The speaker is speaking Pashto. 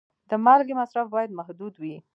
د مالګې مصرف باید محدود وي.